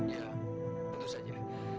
ya tentu saja